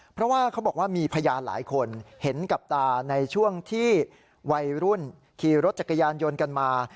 เพราะว่าเขาบอกว่ามีพยานหลายคนเห็นกับตาในช่วงที่วัยรุ่นขี่รถจักรยานยนต์กันมา